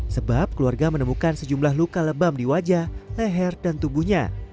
sebab keluarga menemukan sejumlah luka lebam di wajah leher dan tubuhnya